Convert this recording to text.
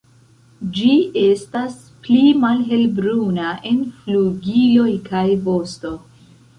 Ĝi estas pli malhelbruna en flugiloj kaj vosto.